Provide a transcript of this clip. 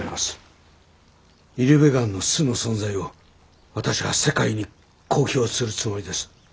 イルベガンの巣の存在を私は世界に公表するつもりです。